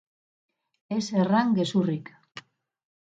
Ez erran gezurrik.